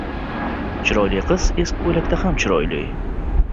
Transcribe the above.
• Chiroyli qiz eski ko‘ylakda ham chiroyli.